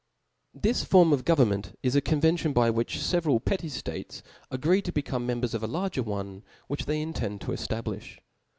This form of goverrjmenr is a convcntio>i by vhich fcveral petty ftarcs agree to become members of a larger one, which they intend to eftablilh.